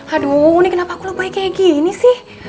aduh kenapa aku lebih baik kayak gini sih